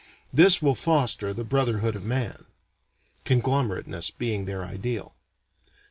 This will foster the brotherhood of man. (Conglomerateness being their ideal.)